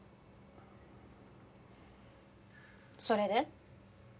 それで？